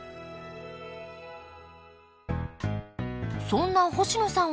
そんな星野さん